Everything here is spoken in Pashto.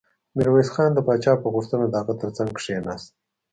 ميرويس خان د پاچا په غوښتنه د هغه تر څنګ کېناست.